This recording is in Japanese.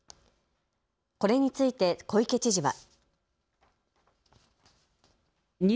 これについて小池知事は。